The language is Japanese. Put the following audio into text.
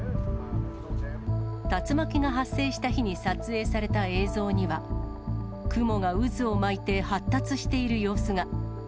竜巻が発生した日に撮影された映像には、雲が渦を巻いて発達している様子が。